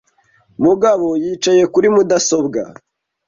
Mugabo yicaye kuri mudasobwa